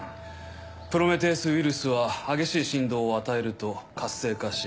プロメテウス・ウイルスは激しい振動を与えると活性化し